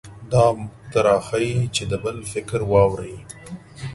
دا موږ ته راښيي چې د بل فکر واورئ.